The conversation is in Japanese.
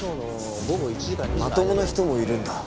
まともな人もいるんだ。